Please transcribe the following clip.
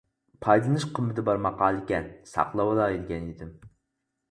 پايدىلىنىش قىممىتى بار ماقالىكەن، ساقلىۋالاي دېگەن ئىدىم.